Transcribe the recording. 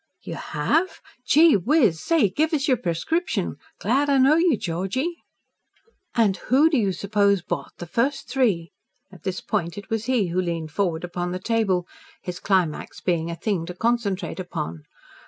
"You have? Gee whiz! Say, give us your prescription. Glad I know you, Georgy!" "And who do you suppose bought the first three?" At this point, it was he who leaned forward upon the table his climax being a thing to concentrate upon.